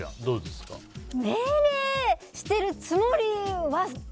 命令してるつもりは。